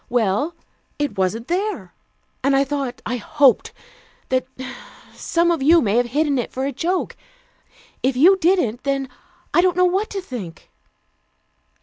Well, it wasn't there. And I thought I hoped that some of you might have hidden it for a joke. If you didn't, then I don't know what to think."